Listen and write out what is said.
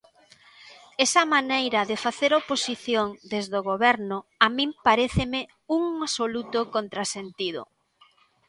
Esa maneira de facer oposición desde o Goberno a min paréceme un absoluto contrasentido.